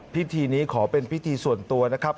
พิธีนี้ขอเป็นพิธีส่วนตัวนะครับ